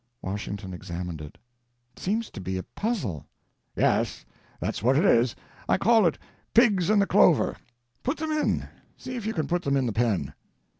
Washington examined it. "It seems to be a puzzle." "Yes, that's what it is. I call it Pigs in the Clover. Put them in—see if you can put them in the pen."